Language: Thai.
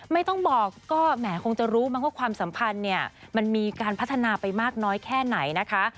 ไม่ต้องบอกก็แหมคงจะรู้มั้งว่าความสัมพันธ์เนี่ยมันมีการพัฒนาไปมากน้อยแค่ไหนนะคะ